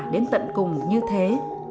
đến tận cùng như thế